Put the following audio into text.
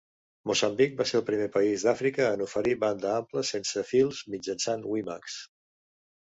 Moçambic va ser el primer país d'Àfrica en oferir banda ampla sense fils mitjançant WiMax.